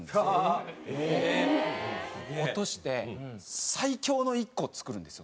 落として最強の１個を作るんですよ。